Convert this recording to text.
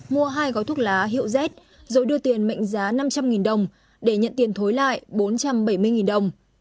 mua hai gói thuốc lá hiệu z rồi đưa tiền mệnh giá năm trăm linh đồng để nhận tiền thối lại bốn trăm bảy mươi đồng